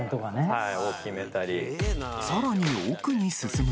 はい。